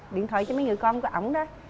điện thoại cho mấy người con của ổng đó